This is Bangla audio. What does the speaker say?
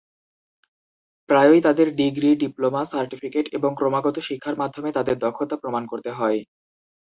প্রায়ই তাদের ডিগ্রি, ডিপ্লোমা, সার্টিফিকেট এবং ক্রমাগত শিক্ষার মাধ্যমে তাদের দক্ষতা প্রমাণ করতে হয়।